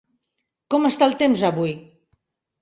Com està el temps, avui?